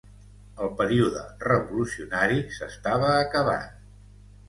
El període revolucionari s'estava acabant